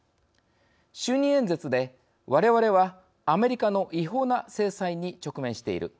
就任演説で「われわれはアメリカの違法な制裁に直面している。